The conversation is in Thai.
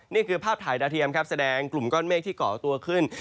นี่คือภาพถ่ายดาวเทียมครับแสดงกลุ่มก้อนเมฆที่เกาะตัวขึ้น